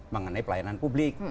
mengenai pelayanan publik